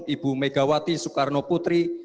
ibu megawati soekarno putri